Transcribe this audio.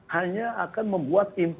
hanya akan membuat